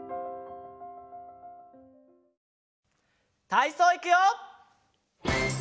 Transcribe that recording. たいそういくよ！